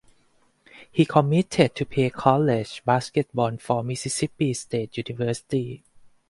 He committed to play college baseball for Mississippi State University.